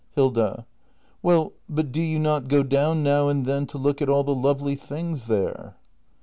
Hilda. Well, but do you not go down now and then to look at all the lovely things there